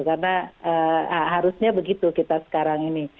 karena harusnya begitu kita sekarang ini